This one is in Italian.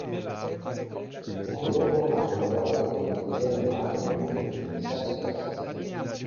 Poco dopo ha collaborato con il Dj Mark Moore in S'Express.